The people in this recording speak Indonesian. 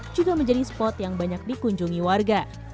juga menjadi spot yang banyak dikunjungi warga